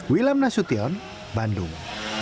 wilam nasution bandung